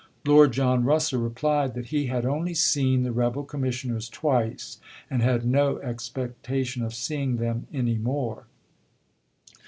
Lord John Russell replied that he had only seen the rebel commissioners twice, and "had no expecta tion of seeing them any more."